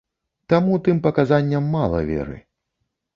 Таму тым паказанням мала веры.